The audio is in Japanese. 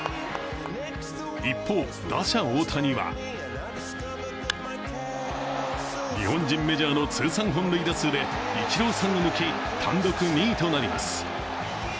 一方、打者・大谷は日本人メジャーの通算本塁打数でイチローさんを抜き、単独２位となります。